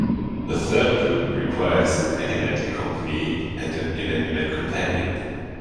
A third group requires an animate accompanee and an inanimate companion.